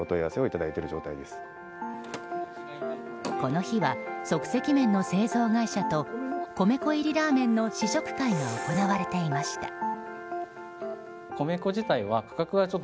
この日は即席麺の製造会社と米粉入りラーメンの試食会が行われていました。